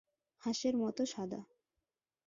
হাঁসের মতো সাদা।